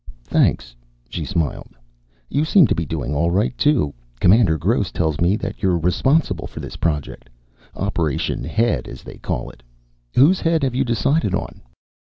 "Thanks." She smiled. "You seem to be doing all right, too. Commander Gross tells me that you're responsible for this project, Operation Head, as they call it. Whose head have you decided on?"